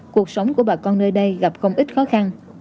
cuộc sống của bà con nơi đây gặp không ít khó khăn